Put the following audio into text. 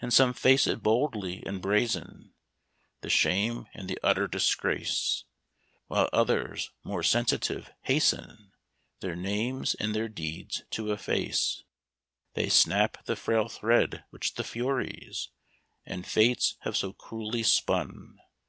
And some face it boldly, and brazen The shame and the utter disgrace; While others, more sensitive, hasten Their names and their deeds to efface. They snap the frail thread which the Furies And Fates have so cruelly spun.